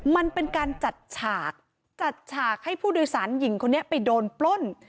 มันเป็นการจัดฉากจัดฉากให้ผู้โดยสารหญิงคนนี้ไปโดนปล้น